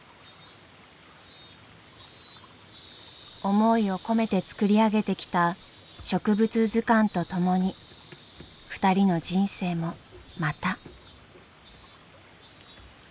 思いを込めて作り上げてきた植物図鑑と共に２人の人生もまた。